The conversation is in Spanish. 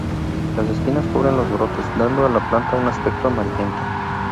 Las espinas cubren los brotes, dando a la planta un aspecto amarillento.